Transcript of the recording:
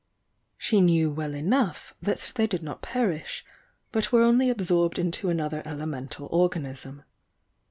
She knew well enough that they did not perish, but were only absorbed into another elemental or ganism.